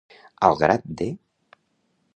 Al grat de.